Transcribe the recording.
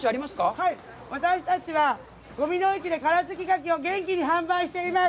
はい、私たちは五味の市で殻つきガキを元気に販売しています。